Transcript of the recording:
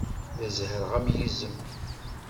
La zehhreɣ am yizem.